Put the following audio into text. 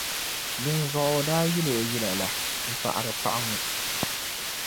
Dinzuɣu o daa yili o yilli la, m-paɣiri paɣa ŋɔ.